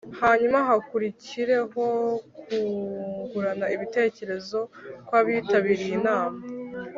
hanyuma hakurikireho kungurana ibitekerezo kw abitabiriye inama